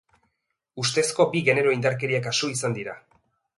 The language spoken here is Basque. Ustezko bi genero indarkeria kasu izan dira.